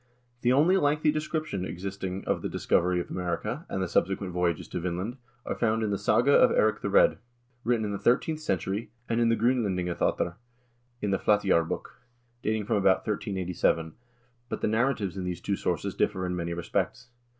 The only lengthy description existing of the discovery of America, and the subsequent voyages to Vinland, are found in the "Saga of Eirik the Red," 1 written in the thirteenth century, and in the "Gr0nlendingabattr" in the " Flateyjarbok," dating from about 1387, but the narratives in these two sources differ in many respects.